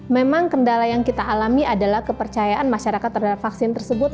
memang kendala yang kita alami adalah kepercayaan masyarakat terhadap vaksin tersebut